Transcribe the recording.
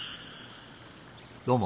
どうも。